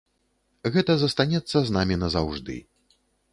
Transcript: Гэта застанецца з намі назаўжды.